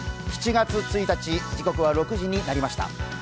７月１日、時刻は６時になりました。